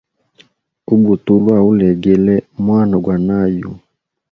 Ubutulwa ulegele mwana gwa nayu.